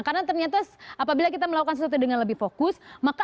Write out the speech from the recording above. karena ternyata apabila kita melakukan sesuatu dengan lebih fokus